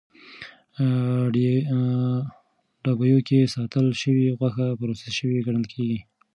ډبیو کې ساتل شوې غوښه پروسس شوې ګڼل کېږي.